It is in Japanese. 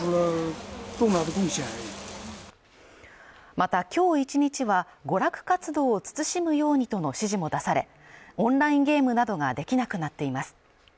また今日一日は娯楽活動を慎むようにとの指示も出されオンラインゲームなどができなくなっています